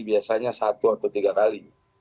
biasanya satu atau tiga kali